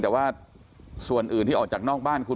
แต่ว่าส่วนอื่นที่ออกจากนอกบ้านคุณ